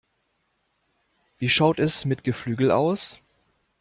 Wie schaut es mit Geflügel aus?